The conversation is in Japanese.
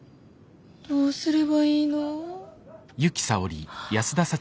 どうすればいいの。